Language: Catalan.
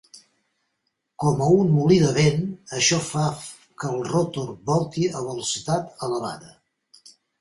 Com en un molí de vent això fa que el rotor volti a velocitat elevada.